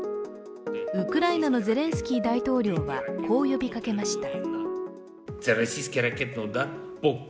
ウクライナのゼレンスキー大統領はこう呼びかけました。